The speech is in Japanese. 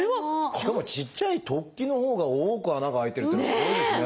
しかもちっちゃい突起のほうが多く穴が開いてるっていうのはすごいですね。